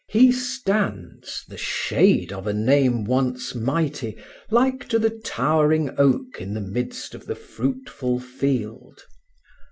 he stands, the shade of a name once mighty, Like to the towering oak in the midst of the fruitful field."